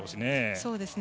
そうですね。